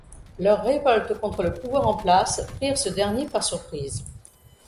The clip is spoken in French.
Leurs révoltes contre le pouvoir en place prirent ce dernier par surprise.